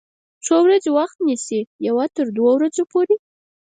څو ورځې وخت نیسي؟ یوه تر دوه ورځو پوری